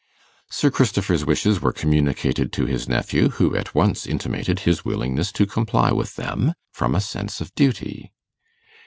Sir Christopher's wishes were communicated to his nephew, who at once intimated his willingness to comply with them from a sense of duty.